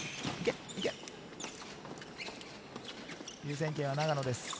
優先権は永野です。